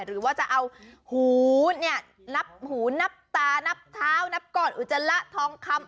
หรือว่าจะเอาหูเนี่ยนับหูนับตานับเท้านับก้อนอุจจาระทองคำ